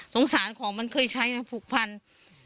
สงสารของมันเคยใช้นะผูกพัน